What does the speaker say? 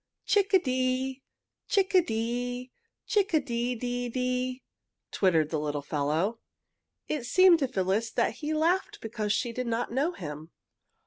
"Chick a dee! Chick a dee! Chick a dee dee dee!" twittered the little fellow. It seemed to Phyllis that he laughed because she did not know him.